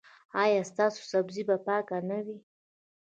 ایا ستاسو سبزي به پاکه نه وي؟